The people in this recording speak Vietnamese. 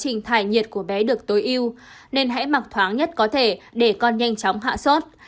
trong quá trình thải nhiệt của bé được tối yêu nên hãy mặc thoáng nhất có thể để con nhanh chóng hạ sốt